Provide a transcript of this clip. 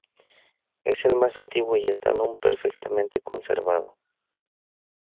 Es el más antiguo y está aún perfectamente conservado.